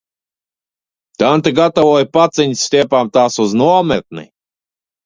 Tante gatavoja paciņas, stiepām tās uz nometni.